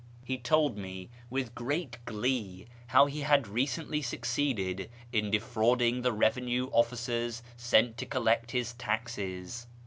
He told me with great glee how he had recently succeeded in defrauding the revenue officers sent to collect his taxes.